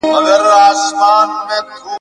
الواته کیږي په زور د وزرونو